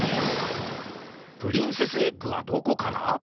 プリンセスエッグはどこかな？